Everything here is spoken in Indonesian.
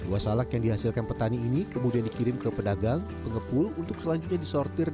buah salak yang dihasilkan petani ini kemudian dikirim ke pedagang pengepul untuk selanjutnya disortir